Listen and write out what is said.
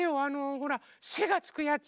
ほら「せ」がつくやつ！